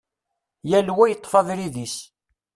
Yal wa yeṭṭef abrid-is.